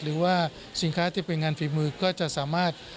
หรือว่าสินค้าที่เป็นงานฝีมือก็จะสามารถ